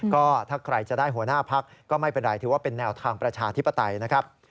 ก็ถ้าใครจะได้หัวหน้าพักก็ไม่เป็นไรถือว่าเป็นแนวทางประชาธิปไตยนะครับ